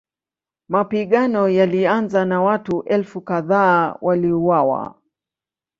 Mapigano yalianza na watu elfu kadhaa waliuawa.